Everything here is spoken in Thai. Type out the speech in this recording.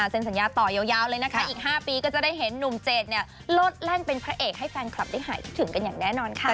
เซ็นสัญญาต่อยาวเลยนะคะอีก๕ปีก็จะได้เห็นหนุ่มเจดโลดแล่นเป็นพระเอกให้แฟนคลับได้หายคิดถึงกันอย่างแน่นอนค่ะ